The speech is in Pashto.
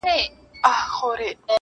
ستا غزل به چا چاته خوښې ورکړي خو,